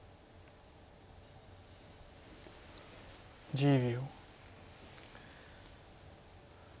１０秒。